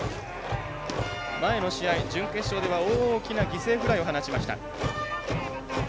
前の試合、準決勝では大きな犠牲フライを放ちました。